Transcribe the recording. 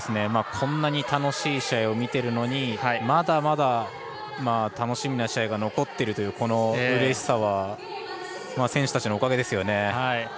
こんなに楽しい試合を見ているのにまだまだ、楽しみな試合が残っているといううれしさは選手たちのおかげですよね。